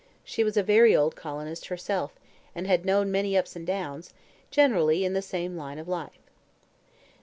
She was a very old colonist herself, and had known many ups and downs, generally in the same line of life.